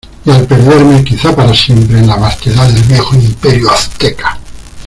y al perderme, quizá para siempre , en la vastedad del viejo Imperio Azteca